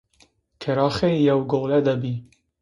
Qeraxê yew gole de bî